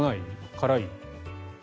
辛い？